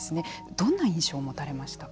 どんな印象を持たれましたか。